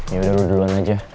yaudah lo duluan aja